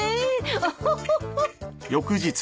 オホホホ。